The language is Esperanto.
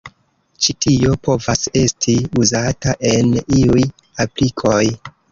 Ĉi tio povas esti uzata en iuj aplikoj.